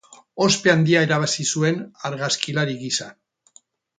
Ospe handia irabazi zuen argazkilari gisa.